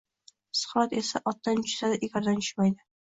Suqrot esa otdan tushsa-da, egardan tushmaydi